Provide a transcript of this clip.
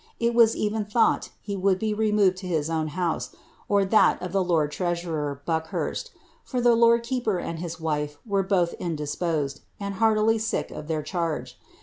Il was even thought be would be removed to his own house, or ihat of the lord treasurer, Baci liursi, for the lord keeper and his wife were both indisposed, and he«riilv fiick of iheir charge.